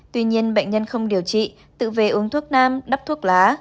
tuy nhiên bệnh nhân không điều trị tự về uống thuốc nam đắp thuốc lá